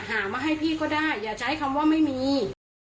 หามาให้พี่ก็ได้อย่าใช้คำว่าไม่มี